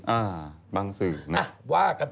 อ่ะบางส่วน